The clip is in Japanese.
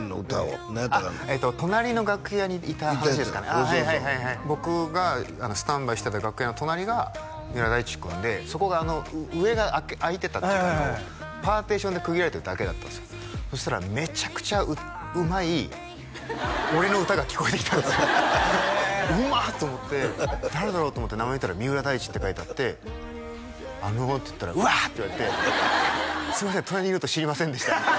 そう僕がスタンバイしてた楽屋の隣が三浦大知君でそこが上があいてたというかパーテーションで区切られてるだけだったんですよそしたらめちゃくちゃうまい俺の歌が聞こえてきたんですよへえうまっと思って誰だろうと思って名前見たら三浦大知って書いてあって「あの」って言ったら「うわっ！」って言われて「すいません隣にいると知りませんでした」